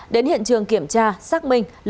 đến hiện trường kiểm tra xác minh